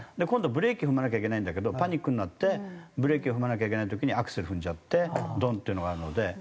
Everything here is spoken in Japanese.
今度はブレーキ踏まなきゃいけないんだけどパニックになってブレーキを踏まなきゃいけない時にアクセル踏んじゃってドンッていうのがあるので。